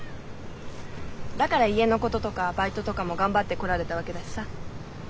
だから家のこととかバイトとかも頑張ってこられたわけだしさ。